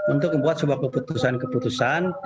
untuk membuat sebuah keputusan keputusan